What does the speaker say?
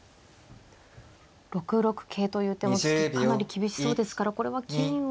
６六桂という手も次かなり厳しそうですからこれは金を。